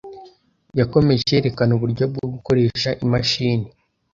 Yakomeje yerekana uburyo bwo gukoresha imashini.